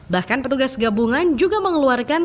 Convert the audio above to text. bahkan petugas gabungan juga mengeluarkan